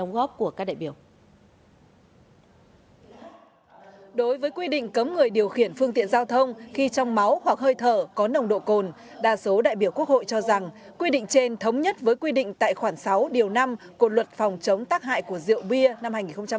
đối với quy định cấm người điều khiển phương tiện giao thông khi trong máu hoặc hơi thở có nồng độ cồn đa số đại biểu quốc hội cho rằng quy định trên thống nhất với quy định tại khoảng sáu điều năm của luật phòng chống tác hại của rượu bia năm hai nghìn một mươi ba